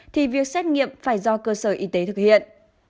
thì việc xét nghiệm phải do cơ sở y tế thực hiện